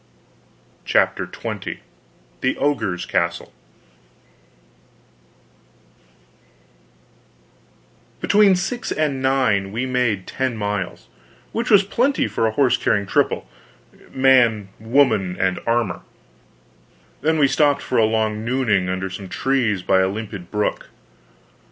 CHAPTER XX THE OGRE'S CASTLE Between six and nine we made ten miles, which was plenty for a horse carrying triple man, woman, and armor; then we stopped for a long nooning under some trees by a limpid brook.